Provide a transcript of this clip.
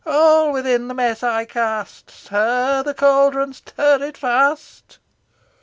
All within the mess I cast, Stir the caldron stir it fast!"